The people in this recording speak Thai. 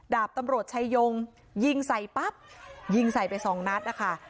ดาบตำรวจชายงยิงใส่ปั๊บยิงใส่ไปสองนัดนะคะ